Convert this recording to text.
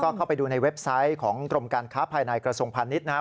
เข้าไปดูในเว็บไซต์ของกรมการค้าภายในกระทรวงพาณิชย์นะครับ